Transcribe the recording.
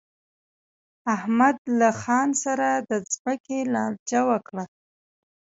احمد له خان سره د ځمکې لانجه وکړه.